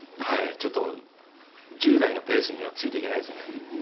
ちょっと１０代のペースにはついていけないですね。